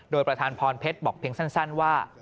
โดยประธานพรเพชรบอกเพียงสั้นว่า